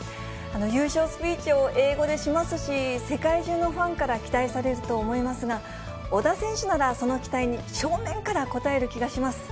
優勝スピーチを英語でしますし、世界中のファンから期待されると思いますが、小田選手なら、その期待に正面から応える気がします。